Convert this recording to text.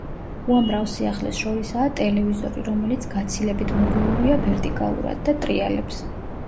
უამრავ სიახლეს შორისაა ტელევიზორი, რომელიც გაცილებით მობილურია, ვერტიკალურად და ტრიალებს.